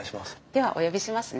ではお呼びしますね。